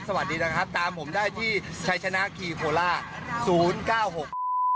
สวัสดีนะครับตามผมได้ที่ชัยชนะคีโพล่าศูนย์เก้าหก